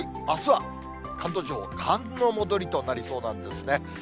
あすは関東地方、寒の戻りとなりそうなんですね。